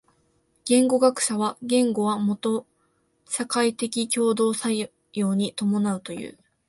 言語学者は言語はもと社会的共同作用に伴うという。